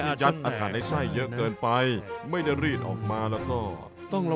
ถ้าตอนที่ยัดอากาศในไส้เยอะเกินไปไม่ได้รีดออกมาแล้ว